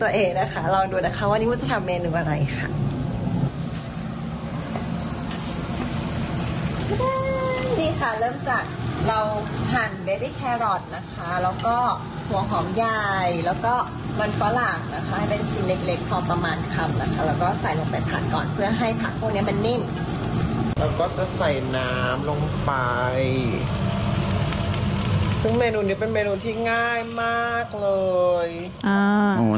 แล้วก็จะใส่น้ำลงไปซึ่งเมนูนี้เป็นเมนูที่ง่ายมากเลย